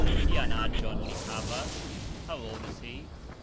Kian agxon li havas? How old is he?